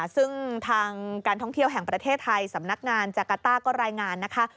ซึ่งทางการท่องเที่ยวแห่งประเทศไทยสำนักงานจากาต้าก็รายงานนะคะ